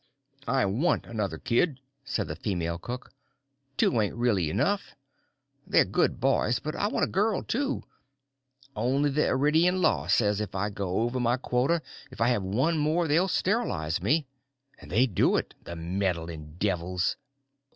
_ "I want another kid," said the female cook. "Two ain't really enough. They're good boys, but I want a girl too. Only the Eridanian law says if I go over my quota, if I have one more, they'll sterilize me! And they'd do it, the meddling devils."